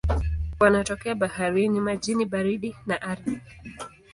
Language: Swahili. Wanatokea baharini, majini baridi na ardhini.